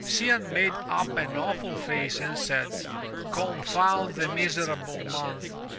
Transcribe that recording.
*' Cianne made up an awful face and said; "Confound the miserable month!